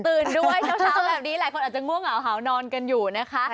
ตื่นด้วยเช้าแบบนี้หลายคนอาจจะง่วงเหงาหาวนอนกันอยู่